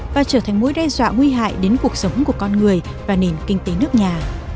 và trở thành mối đe dọa nguy hại đến cuộc sống của con người và nền kinh tế nước nhà